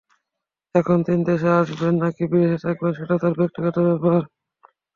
এখন তিনি দেশে আসবেন, নাকি বিদেশে থাকবেন, সেটা তাঁর ব্যক্তিগত ব্যাপার।